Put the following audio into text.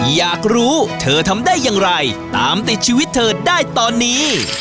อยากรู้เธอทำได้อย่างไรตามติดชีวิตเธอได้ตอนนี้